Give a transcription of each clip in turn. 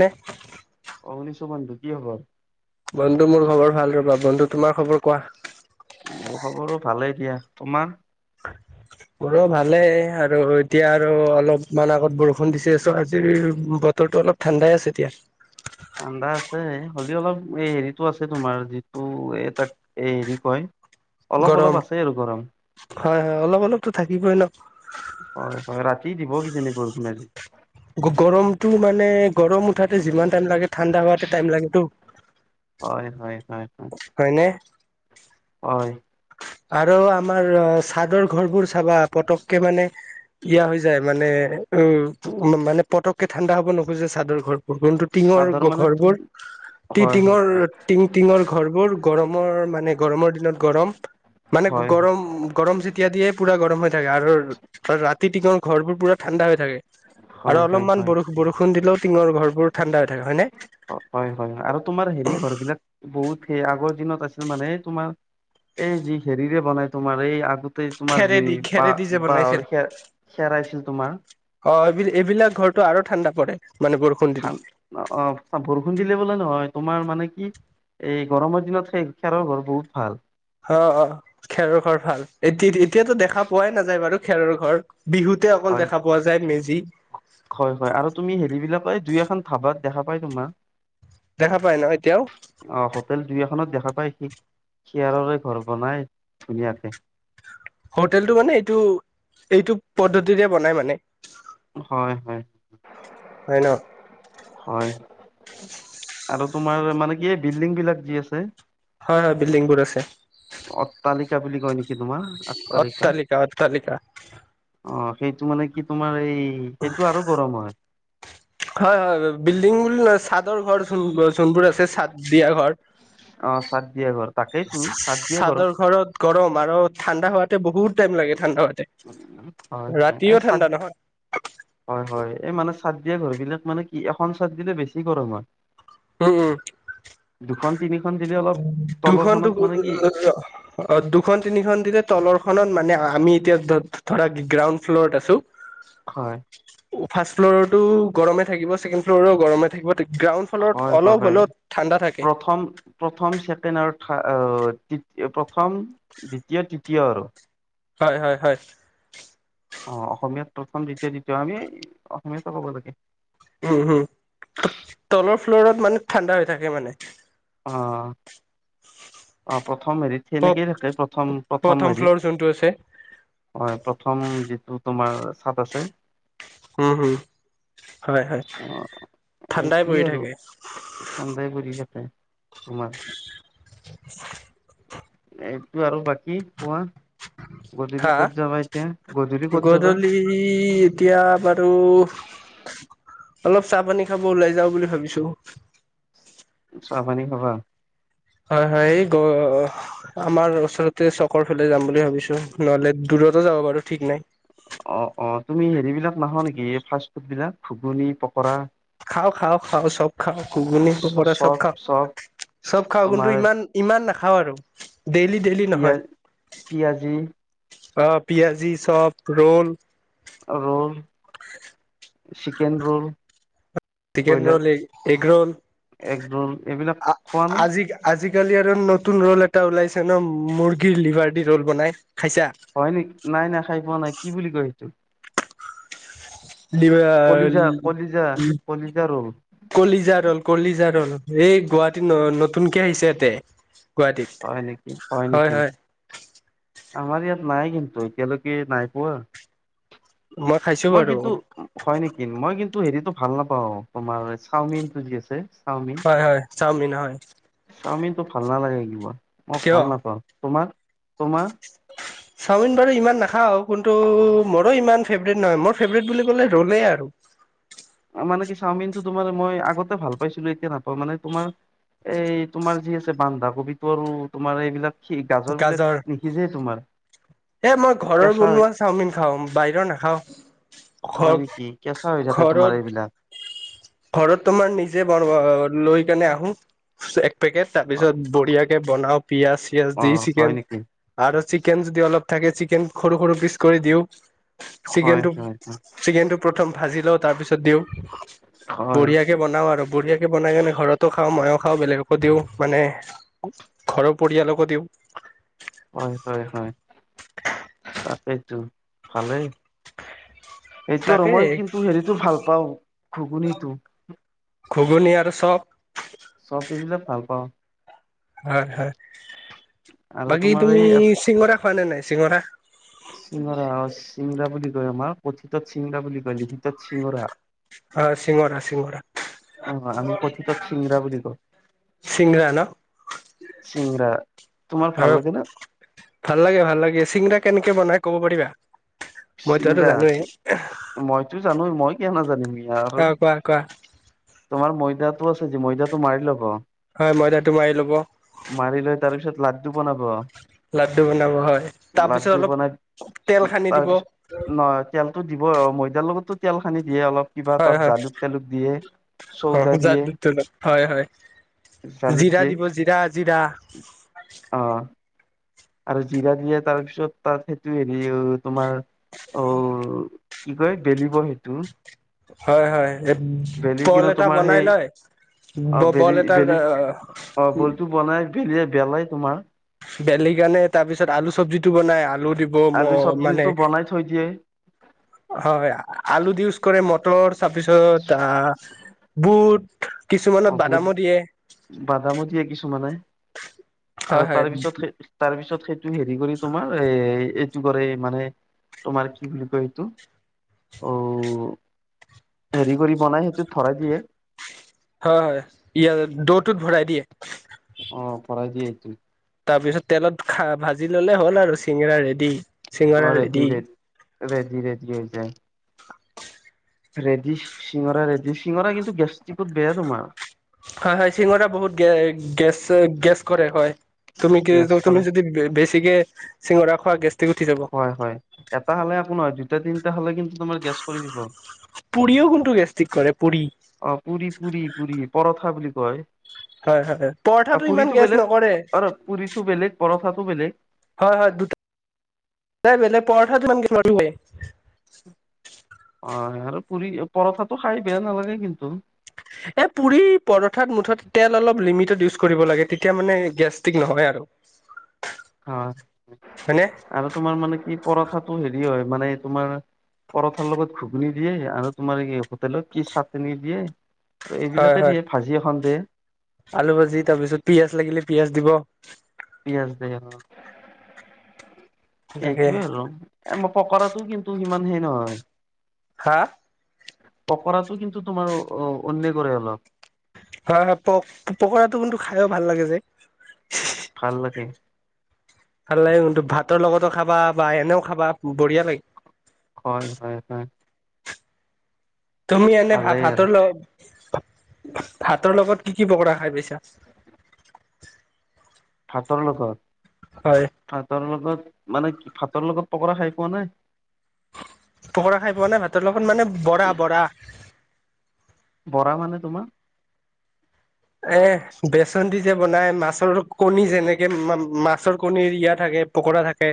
নে অগ্নিশু বন্ধু কি খবৰ? বন্ধু মোৰ খবৰ ভাল ৰবা। বন্ধু তোমাৰ খবৰ কোৱা? মোৰ খবৰো ভালেই দিয়া। তোমাৰ? মোৰো ভালেই আৰু এতিয়া আৰু অলপমান আগত বৰষুণ দিছে চো আজিৰ বতৰটো অলপ ঠাণ্ডাই আছে এতিয়া। ঠাণ্ডা আছে। হ'লেও অলপ এই হেৰিতটো আছে তোমাৰ যিটো এ তাক এই হেৰি কয় অলপ অলপ গৰম। আছে আৰু গৰম হয়, হয় অলপ অলপতো থাকিবই ন। হয় হয় ৰাতি দিব কিজানি বৰষুণ আজি। গৰমতটো মানে গৰম উঠাতে যিমান টাইম লাগে ঠাণ্ডা হোৱাতে টাইম লাগে টো। হয়, হয়। হয়, হয়। হয়। আৰু আমাৰ অ চাদৰ ঘৰ বোৰ চাবা পতককে মানে ইয়া হৈ যায় মানে উ মানে পতককে ঠাণ্ডা হ'ব নোখোজে চাদৰ ঘৰ টিঙৰ চাদৰ মানে তো- ঘৰবোৰ টি হয় হয় টিঙৰ হয় টিং টিঙৰ ঘৰবোৰ গৰমৰ মানে গৰমৰ দিনত গৰম মানে হয় গৰম, গৰম যেতিয়া দিয়ে পুৰা গৰম হৈ থাকে। আৰু ৰাতি তিঙৰ ঘৰবোৰ পোৰা ঠাণ্ডা হৈ থাকে। আৰু হয় হয় অলপমান বৰষু-বৰষুণ দিলেও টিঙৰ ঘৰবোৰ [inaudible] হয়, হয়, হয় আৰু তোমাৰ হেৰি ঘৰ বিলাক বহুত সেই আগৰ দিনত ছিল মানে এই তোমাৰ, এই যি হেৰিৰে বনাই তোমাৰ এই আগত তোমাৰ যি খেৰেদি খেৰেদি যে বাহ বনাইছিল বাঁহৰ খে- খেৰাইছিল তোমাৰ অ' এইবি এইবিলাক ঘৰতো আৰু ঠাণ্ডা পৰে। মানে বৰষুণ দিলে অ' বৰষুণ দিলে বোলে নহয় তোমাৰ মানে কি, এই গৰমৰ দিনত সেই খেৰৰ ঘৰটো বহুত ভাল। অ' অ খেৰ ঘৰ ভাল। এতি-এতিয়াতো দেখা পোৱাই নাযায় বাৰু খেৰৰ ঘৰ। বিহুতে অকল হয় দেখা পোৱা যায় মেজী দি। [unintelligible] হয়, হয়। আৰু তুমি হেৰি বিলাক এই দুই এখন ধাবাত দেখা পায় তোমাৰ দেখা পাই ন এতিয়াও? নাপায় সি, খেৰৰে ঘৰ বনাই ধুনীয়াকে। হোটেলটো মানে এইটো, এইটো পদ্ধতিৰে বনাই মানে। হয়, হয়। হয় ন? হয়, আৰু তোমাৰ মানে কি এই বিল্ডিং বিলাক যি আছে হয়, হয় বিল্ডিং বোৰ আছে। অট্টালিক সেইবুলি কয় নেকি? তোমাৰ অট্টালিকা, অট্টালিকা অ সেইটো, মানে, কি, তোমাৰ এই সেইটো, আৰু গৰম হয়। হয়, হয়। বিল্ডিং বুলি নহয়। চাদৰ ঘৰ, যোন-যোনবোৰ আছে, চাদ দিয়া ঘৰ অ চাদ দিয়া ঘৰ তাকেইতো চাদ দিয়া চাদৰ ঘৰত গৰম আৰু ঠাণ্ডা হোৱাতে বহু বহুত টাইম লাগে ঠাণ্ডা হোৱাতে হয়, হয়। ৰাতিও এই চাদ, ঠাণ্ডা নহয় হয়, এই মানুহ চাদ দিয়া ঘৰবিলাক, মানে কি, এখন চাদ দিলে বেছি গৰম হয়। উম, উম। দুখন, তিনি দুখনটো, অ', দুখন-তিনিখন দিলে তলৰ খনত, মানে, আহ আমি এতিয়া ধৰা, গ্ৰাউণ্ড ফ্ল'ৰত আছোঁ। হয়। ফাৰ্ষ্ট ফ্ল'ৰতো গৰমেই থাকিব। ছেকেণ্ড ফ্ল'ৰো গৰমেই থাকিব গ্ৰাউণ্ড ফ্ল'ৰত হয়, অলপ হয়। হ'লেও ঠাণ্ডা থাকে প্ৰথম, প্ৰথম চেপ [unintelligible] প্ৰথম দ্বিতীয় তৃতীয় আৰু। হয় হয় হয়। অ', অসমীয়াত প্ৰথম দ্বিতীয় তৃতীয়, আমি অসমীয়াতে ক'ব লাগে উম হম, তলৰ ফ্ল'ৰত মানে ঠাণ্ডা হৈ থাকে মানে। অ', অ', প প্ৰথম হেৰিত মানে হেনেকেই থাকে, প্ৰথম-প্ৰথম প্ৰথম হেৰি, ফ্ল'ৰ যোনটো আছে হয় প্ৰথম যিটো তোমাৰ চাত আছে। উম হম। হয়, হয় অ ঠাণ্ডাই এইটোৱে পৰি থাকে। ত তোমাৰ। এইটো আৰু বাকী কোৱা। গধূলি হা ক'ত যাবা এতিয়া গধূলি ক'ত যাবা গধূলি এতিয়াৰ। ত অলপ চাহ পানী খাব ওলাই যাওঁ বুলি ভাবিছো। চাহ, পানী খাবা। হয়, হয় এই আমাৰ ওচৰতে চকৰ ফালে যাম বুলি ভাবিছো নহলে দূৰতো যাব বাৰু ঠিক নাই। অ, অ তুমি হেৰিবিলাক নাখাৱা নেকি ফাষ্ট ফুড বিলাক ঘুগুনী, পকৰা। খাওঁ, খাওঁ, খাওঁ চব। খাওঁ ঘুগুনী, চ পকৰা চব চপ খাওঁ, চপ চব খাওঁ কিন্তু তোমাৰ ইমান, ইমান নাখা। খাওঁ আৰু। ডেইলি ডেইলি নহয় পিয়াজ, পিয়াজি। অ পিয়াজি, চপ, ৰোল। অ roll. Chicken roll. Chicken broiler roll, egg roll egg roll এইবিলাক আ আজি, খোৱা নে আজি। আজিকালি আৰু নতুন ৰল এটা ওলাইছে ন মুৰ্গীৰ লিভাৰ দি ৰল বনাই। খাইছা হয় নেক নাই, নাই খাই পোৱা নাই কি বুলি কৈ? কি। কলিজা কলিজা কলিজা ৰোল কলিজা ৰ'ল, কলিজা ৰ'ল এই গুৱাহাটীত ন নতুনকে আহিছে। তে গুৱাহাটীত হয় নেকি হয় নেকি হয়। আমাৰ ইয়াত নাই কিন্তু এতিয়ালৈকে নাই পোৱা। খাইছো মই বাৰু কিন্তু হয় নেকি মই কিন্তু, টো হেৰিতটো ভাল নাপাও তোমাৰ চাওমিন টো যি আছে চাওমিন হয় হয় চাওমিন হয় চাওমিনটো ভাল নালাগে। তোমাৰ। মই কিয় ভাল নাপাওঁ। তোমাক তোমাৰ। চাওমিন বাৰু ইমান নাখাওঁ কিন্তু মৰো ইমান ফেভৰেট নহয় মোৰ ফেভৰেট বুলি ক'লে ৰলে আৰু। মানে কি চাওমিনটো তোমাৰ মই আগতে ভাল পাইছিলো এতিয়া নাপাওঁ মানে তোমাৰ এই তোমাৰ যি আছে বন্ধা কবিতো আৰু তোমাৰ এইবিলাক। কি গাজৰ বিলাক নিশিজে তোমাৰ। এ মই ঘৰৰ কেঁচা হয় বনোৱা চাওমিন খাওঁ বাহিৰৰ নাখাও ঘ হয় নেকি কেঁচা হৈ থাকে ঘ। তোমাৰ এইবিলাক ঘৰত তোমাৰ নিজে বনোৱা, আ লৈ তেনে আহো, চেক পেকেট তাৰ পিছত বঢ়িয়া কে বনাওঁ পিঁয়াজ চিয়াজ অ দি হয় চিকেন নেকি আৰু চিকেন যদি অলপ তাকে চিকেন সৰু সৰু পিচ কৰি দিওঁ হয় চিকেনটো, হয় হয় চিকেনটো প্ৰথম ভাজি লওঁ তাৰ পিছত দিওঁ, হয় বঢ়িয়াকে বনাও আৰু বঢ়িয়া বনাই কেনে ঘৰতো খাওঁ, মইও খাওঁ, বেলেগকো দিওঁ, মানে ঘৰৰ পৰিয়ালকো দিওঁ। হয় হয় হয়, তাকেইতো ভালেই। এইটো আৰু তাকে মই কিন্তু হেৰিটো ভাল পাওঁ, ঘুগুনীটো। ঘুগুনী আৰু চপ। চপ দেখিলে ভাল পাওঁ। হয় হয়। আৰু বাকী তোমাৰ তুমি এই চিঙৰা খোৱা নে নাই চিঙৰা? চিঙৰা অ', চিংৰা বুলি আমাৰ কথিতত চিংৰা বুলি কয়, লিখিতত চিঙৰা। অ', চিঙৰা চিঙৰা। অ আমি কথিতত চিঙৰা বুলি কওঁ চিঙৰা ন', চিঙৰা তোমাৰ ভাল আৰু, লাগে ন ভাল লাগে ভাল লাগে, চিঙৰা কেনেকে বনাই ক'ব পাৰিবা? ময়দাটো চিংৰা, জানোৱেই মইতো জানোৱেই মই কিয় নাজ [inaudible] [unintelligible] অ কোৱা কোৱা তোমাৰ ময়দাত [unintelligible] ময়দাটো মাৰি ল'ব। হয় ময়দাটো মাৰি লব। মাৰি লৈ তাৰ পিছত লাড্ডু বনাব। লাড্ডু বনাব হয়, তাৰ পিছত লাড্ডু অলপ বনাই তেল সানি দিব তাৰপিছত, ন তেলতো দিব ম এয়াৰ লগতো তেল সানি দিয়ে অলপ কিবা হয় তাত হয়, জালুক তালুক দিয়ে চৌদা দিয়ে [unintelligible] হয় হয়, জালুক জিৰা দিয়ে দিব, জিৰা জিৰা। অ আৰু জিৰা দিয়ে তাৰপিছত, তাত সেইটো হেৰি তোমাৰ, অ'। কি কয়, বেলিব' সেইটো হয় হয় বেলি বল কিনে এটা তোমাৰ বনাই সেই লয় অ বেলি বল এটাৰ বেলিয় বেলাই তোমাৰ বেলেগ আনে তাৰ পিছত আলু চব্জিটো বনাই আলু আলু ম চব্জিটো বনাই থৈ দিয়ে কি কৰে মটৰ তাৰপিছত আহ বুট কিছুমানত অভুত বাদামো দিয়ে বাদাম দিয়ে কিছুমানে আৰু হয় হয় তাৰপিছত তাৰ পিছ স টো হেৰি কৰি তোমাৰ এ কৰে মানে তোমাৰ কি বুলি কয় এইটো অ হেৰি কৰি বনাই সেইটো ধৰাই দিয়ে হয় হয় ইাত দৌটোত ভৰাই দিয়ে অ পৰাঢ়ই দিয় ত তাৰ পিছত তেলত খা ভাজি ললে হ'ল আৰু চিঙৰা ৰেডি চিঙৰা অৰে ৰেডি ধীৰে ধীৰে ধিৰে উ ৰেডি চিঙৰা ৰেডি চিঙৰা কিন্তু গেষ্টিকত বেয়া তোমাৰ হয় হয় চিঙৰা বহুত গ গেছ গেছ কৰে হয় তুমি কি গেছ তুমি কৰে যদি বেছি গতিকে চিঙৰা খোৱা গেছ হয় হয় এটা হ আো নহ দুটা তিনিটা হ গ দ পুৰিও কোনটো গেষ্টিক কৰে পুৰি অ পুী পুী পুী পৰঠা বুলি ক হয় হয় হয় পৰঠাটো পুৰি ইমান চো গেছ বেলেগ নকৰে অ পুৰি চো বেলেগ পৰঠা তবেলে হয় হয় দুটাট বেলেগ পৰঠা যমান লে উ অ আৰু পুৰি পৰঠাতটো খাই বেয়া নালাগে কিন্তু এ পুৰি পৰঠাত মুঠতে তেল অলপ লিমিটত ইউজ কৰিব লাগে তেতিয়া মানে গেষ্টিক নহয় আৰু অ হয়নে আৰু তোমাৰ মানে কি পৰঠাটো হেৰি হয় মানে তোমাৰ পৰঠাৰ লগত ঘুগুনি দিয়ে আৰু তোমাৰ হোটেলত কি চাটনি দিয়ে আৰু হয় এইবিলাকে হয় দিয়ে ভাজি এখন দে আলু ভাজি তাৰ পিছত পিয়াজ লাগিলে পিয়াজ দিব প পিয়াজ দে অ তাকে সেইটোয়ে আৰু মাৰ পকৰাটো কিন্তু টো সিমান হে নহয় হাহ। পকৰাটো কিন্তু তোমাৰ অন পুৰে অলপ। হয় - হয় প পকৰাটো কিন্তু খাইও ভাল লাগে যে। ভাল লাগে। ভাল লাগে কিন্তু ভাতৰ লগতো খাবা বা এনেও খাবা বঢ়িয়া লাগে। হয়-হয়-হয়। তুমি এনে ভাত আৰু ভাতৰ লগ ভাতৰ লগত কি-কি পকৰা খাই পাইছা? ভাতৰ লগত? হয় ভাতৰ লগত। মানে কি ভাতৰ লগত পকৰা খাই পোৱা নাই। পকৰা খাই পোৱা নাই ভাতৰ লগত মানে বৰা - বৰা। বৰা মানে তোমাৰ? এহ, বেচন দি যে বনাই মাছৰ কণী যেনেকে মা - মা মাছৰ কণীৰ ইয়া থাকে পকোৰা থাকে।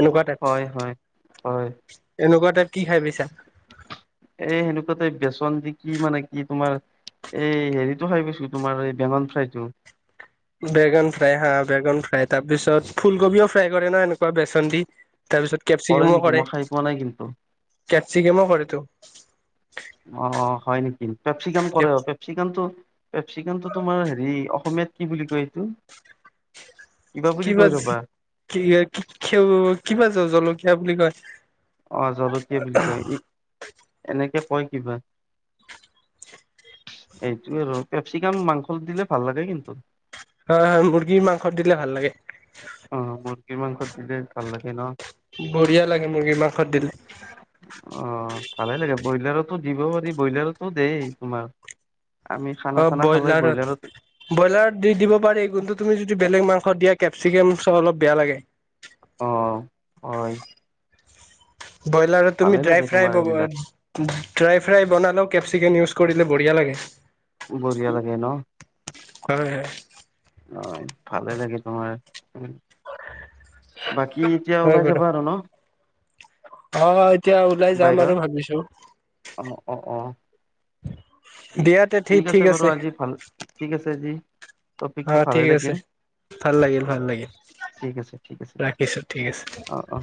এনেকুৱাটাইপ হয় হয় - এনেকুৱাটাইপ। কি খাই পাইছা? এহ। সেনেকুৱাতে বেচন দি কি মানে কি তোমাৰ এই হেৰিতটো খাই পৈছো তোমাৰ এই বেঙন ফ্ৰাইটো। বেগন ফ্ৰাই হা বেগন ফ্ৰাই তাৰপিছত ফুলকবিও ফ্ৰাই কৰে ন এনেকুৱা বেচন দি। তাৰপিছত কেপচিকামো নেকি কৰে। মই খাই পোৱা নাই কিন্তু কেপচিকামো কৰে তো। অহ', হয় নেকি পেচিকাম কৰে পেপচিকামটো পেপচিকানটো তোমাৰ হেৰি অসমীয়াত কি বুলি কয় এইটো। বুলি কিবা কয় ৰবা [unintelligible] কি জলকীয়া বুলি কয়। অহ ', জলকীয়া বুলি কয়। ই এনেকে কয় কিবা এইটোয়ে আৰু কেপচিকাম মাংস দিলে ভাল লাগে কিন্তু। হয় - হয় মুৰ্গী মাংসত দিলে ভাল লাগে। মুৰ্গী মাংসত দিলে ভাল লাগে ন। বঢ়িয়া লাগে, মুৰ্গী মাংসত দিলে। অহ', ভালে লাগে। ব্ৰইলাৰতো দিব পাৰি, ব্ৰইলাৰতো দেই তোমাৰ। আমি খানা অহ ', চানা খালে ব্ৰইলাৰত- ব্ৰইলাৰত দি দিব পাৰি। কিন্তু তুমি যদি বেলেগ মাংস ষত দিয়া কেপচিকেম চ অলপ বেয়া লাগে। অহ ', হয়। ব্ৰইলাৰত ভালে তুমি ড্ৰাই লাগে ফ্ৰাই তোমাৰ এইবিলাক - ড্ৰাই ফ্ৰাই বনাল কেপচিকেম ইউচ কৰিলে বঢ়িয়া লাগে। বৰিয়া লাগে নহ', কৰে। হয়, ভালে লাগে [unintelligible] বাকী এতিয়া হয় ওলাই বাৰু যাবা আৰু ন', অ এতিয়া ওলাই যাম বাহিৰত? আৰু ভাবিছো অ', অ', অ। ঠিক, ঠিক আছে বাৰু আজি, ভাল, ঠিক আছে আজি। টপিকটো অ', ভালে ঠিক আছে, লাগিল ভাল লাগিল, ভাল লাগিল, ঠিক আছে ঠিক আছে দিয়া। ৰাখিছো ঠিক আছে। অ অ